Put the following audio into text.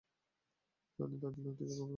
জানেন তার জন্য একটা চকোবার কেনা কতটা কষ্ট করেছি?